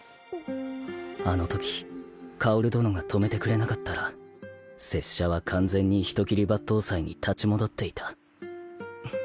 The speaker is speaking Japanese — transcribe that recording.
あのとき薫殿が止めてくれなかったら拙者は完全に人斬り抜刀斎に立ち戻っていた